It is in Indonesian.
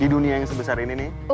di dunia yang sebesar ini nih